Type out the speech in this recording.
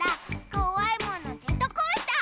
こわいものジェットコースター！